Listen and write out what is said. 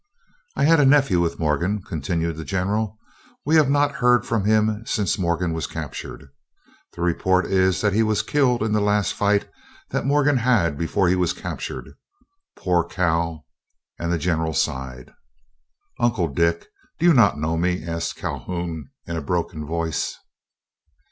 "I had a nephew with Morgan," continued the General. "We have not heard from him since Morgan was captured. The report is that he was killed in the last fight that Morgan had before he was captured. Poor Cal!" and the General sighed. "Uncle Dick, do you not know me?" asked Calhoun, in a broken voice.